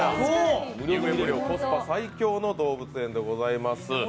コスパ最強の動物園でございます。